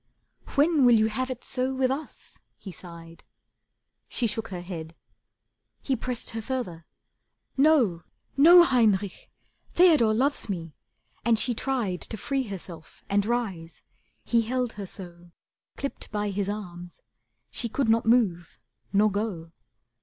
"When will you have it so with us?" He sighed. She shook her head. He pressed her further. "No, No, Heinrich, Theodore loves me," and she tried To free herself and rise. He held her so, Clipped by his arms, she could not move nor go.